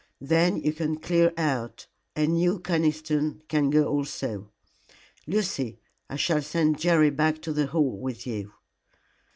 Then you can clear out, and you, Conniston, can go also. Lucy, I shall send Jerry back to the Hall with you."